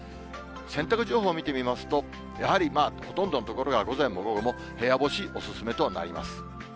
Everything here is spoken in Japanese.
洗濯情報を見てみますと、やはり、ほとんどの所が午前も午後も部屋干し、お勧めとなります。